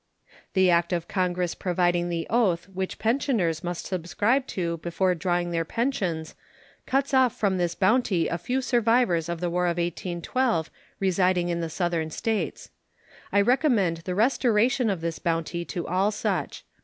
The act of Congress providing the oath which pensioners must subscribe to before drawing their pensions cuts off from this bounty a few survivors of the War of 1812 residing in the Southern States. I recommend the restoration of this bounty to all such.